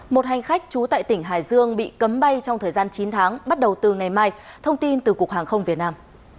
một hành khách trú tại tỉnh hải dương bị cấm bay trong thời gian chín tháng bắt đầu từ ngày mai thông tin từ cục hàng không việt nam